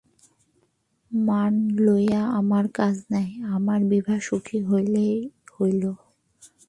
মান লইয়া আমার কাজ নাই, আমার বিভা সুখী হইলেই হইল।